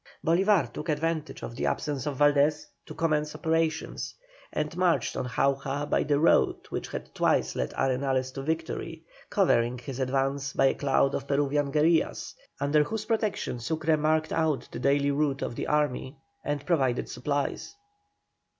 Bolívar took advantage of the absence of Valdés to commence operations, and marched on Jauja by the road which had twice led Arenales to victory, covering his advance by a cloud of Peruvian guerillas, under whose protection Sucre marked out the daily route of the army, and provided supplies.